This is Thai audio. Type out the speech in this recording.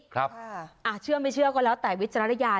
เชื่อไม่เชื่อก็แล้วแต่วิจารณญาณ